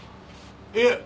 いえ。